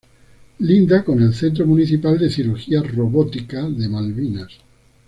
Linda con el Centro Municipal de Cirugía Robótica de Malvinas.